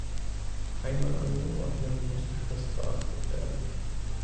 Einmal angeordnet muss die Frist beachtet werden.